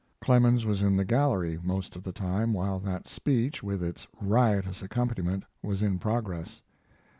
Clemens was in the gallery most of the time while that speech, with its riotous accompaniment, was in progress.